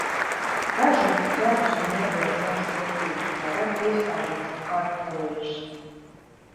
Dažus gadus man iedod zemes pleķīti, lai varu iestādīt sev kartupelīšus.